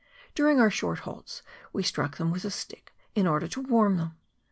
During our short halts we struck them with a stick, in order to warm them.